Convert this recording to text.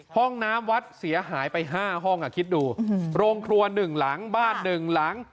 ห้องน้ำวัดเสียหายไปห้าห้องค่ะคิดดูอืมโรงครัวหนึ่งหลังบ้านหนึ่งหลัง